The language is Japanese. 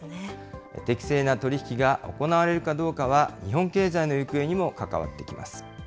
適正な取り引きが行われるかどうかは、日本経済の行方にも関わってきます。